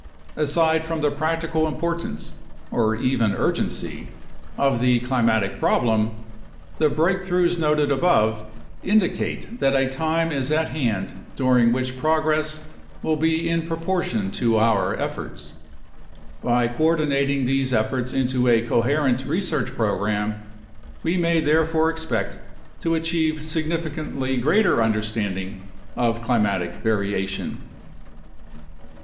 Aside from the practical importance (or even urgency) of the climatic problem, the breakthroughs noted above indicate that a time is at hand during which progress will be in proportion to our efforts. By co ordinating these efforts into a coherent research program, we may therefore expect to achieve significantly greater understanding of climatic variation.